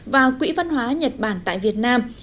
và quỹ văn hóa nhật bản tại việt nam